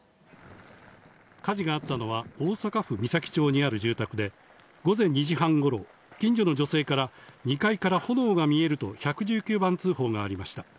火事があったのは大阪府岬町にある住宅で、午前２時半頃、近所の女性から２階から炎が見えると１１９番通報がありました。